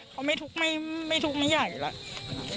เขาไม่ทุกข์ไม่ใหญ่แล้ว